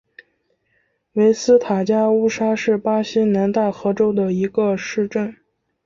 维斯塔加乌沙是巴西南大河州的一个市镇。